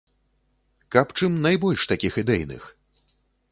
Каб чым найбольш такіх ідэйных!